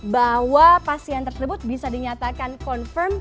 bahwa pasien tersebut bisa dinyatakan confirm